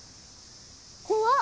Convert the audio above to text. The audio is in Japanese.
怖っ！